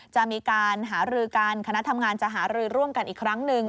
จะมีการหารือกันคณะทำงานจะหารือร่วมกันอีกครั้งหนึ่ง